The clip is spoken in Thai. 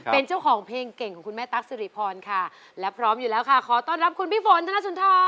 เป็นเจ้าของเพลงเก่งของคุณแม่ตั๊กสิริพรค่ะและพร้อมอยู่แล้วค่ะขอต้อนรับคุณพี่ฝนธนสุนทร